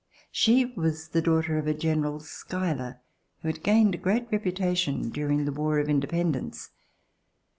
She was a daughter of General Schuyler who had gained a great reputation during the War of Independence.